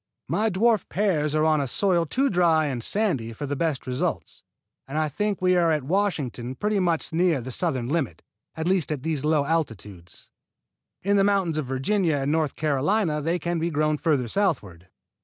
My dwarf pears are on a soil too dry and sandy for the best results, and I think we are at Washington pretty near the southern limit, at least at low altitudes. In the mountains of Virginia and North Carolina they can be grown further southward.